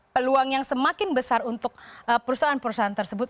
peluang yang semakin besar untuk perusahaan perusahaan tersebut